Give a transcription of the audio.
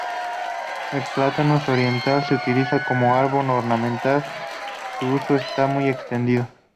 El "Platanus orientalis" se utiliza como árbol ornamental, su uso está muy extendido.